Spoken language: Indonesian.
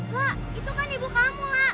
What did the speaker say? lah itu kan ibu kamu lah